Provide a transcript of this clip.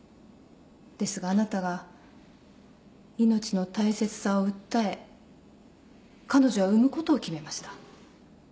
ですがあなたが命の大切さを訴え彼女は産むことを決めました。